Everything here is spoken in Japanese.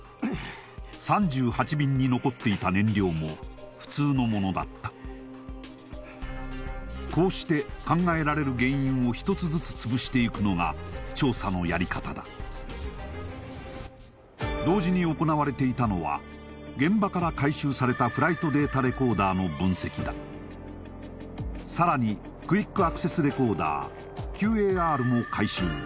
３８便に残っていた燃料も普通のものだったこうして考えられる原因を１つずつつぶしていくのが調査のやり方だ同時に行われていたのは現場から回収されたフライトデータレコーダーの分析ださらにクイックアクセスレコーダーＱＡＲも回収